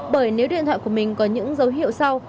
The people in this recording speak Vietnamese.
bởi nếu điện thoại của mình có những dấu hiệu sau